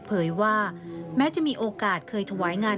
เผยว่าแม้จะมีโอกาสเคยถวายงาน